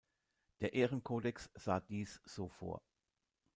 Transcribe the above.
Der Ehrenkodex sah dies so vor.